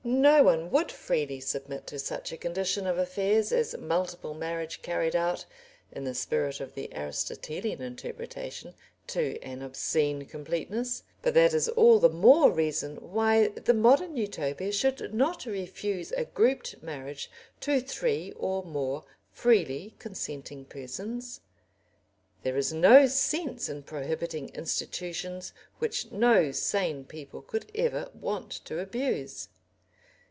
No one would freely submit to such a condition of affairs as multiple marriage carried out, in the spirit of the Aristotelian interpretation, to an obscene completeness, but that is all the more reason why the modern Utopia should not refuse a grouped marriage to three or more freely consenting persons. There is no sense in prohibiting institutions which no sane people could ever want to abuse.